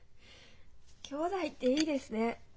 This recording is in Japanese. きょうだいっていいですね。